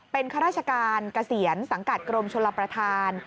เป็นข้าราชการเกษียณสังกัดกรมชลประธาน